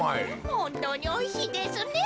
ほんとうにおいしいですねえ。